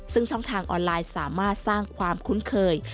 ซึ่งช่องทางออนไลน์สามารถสร้างความคุ้นเคย